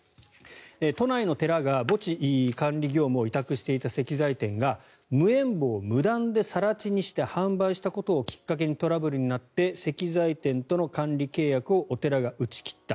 都内の寺が墓地管理業務を委託していた石材店が無縁墓を無断で更地にして販売したことをきっかけにトラブルになって石材店との管理契約をお寺が打ち切った。